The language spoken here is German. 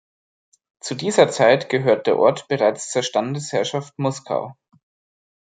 Zu dieser Zeit gehört der Ort bereits zur Standesherrschaft Muskau.